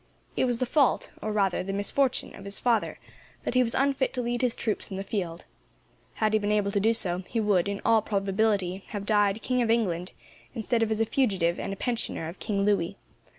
It was the fault, or rather the misfortune, of his father, that he was unfit to lead his troops in the field. Had he been able to do so, he would, in all probability, have died King of England, instead of as a fugitive and a pensioner of King Louis.